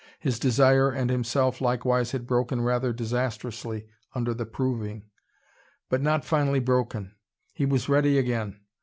His desire and himself likewise had broken rather disastrously under the proving. But not finally broken. He was ready again.